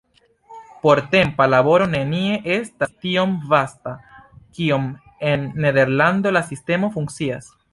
Portempa laboro nenie estas tiom vasta, kiom en Nederlando la sistemo funkcias.